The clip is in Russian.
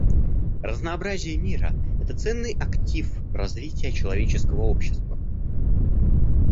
Разнообразие мира — это ценный актив развития человеческого общества.